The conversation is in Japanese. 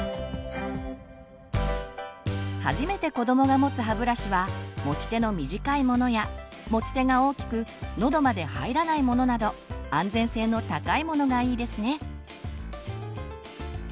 初めてこどもが持つ歯ブラシは持ち手の短いものや持ち手が大きくのどまで入らないものなど安全性の高いものがいいですね。